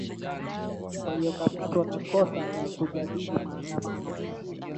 waliokamatwa kwa kosa la kujadili maandamano